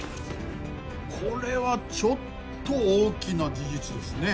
これはちょっと大きな事実ですね。